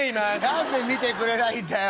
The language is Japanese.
「何で見てくれないんだよ？」。